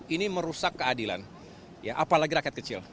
ini merusak keadilan apalagi rakyat kecil